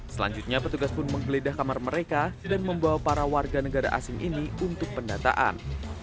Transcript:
selanjutnya petugas pun menggeledah kamar mereka dan membawa para warga negara asing ini untuk pendataan